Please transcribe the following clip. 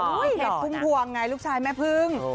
เห็นคุ้มควงไงลูกชายแม่พึ่ง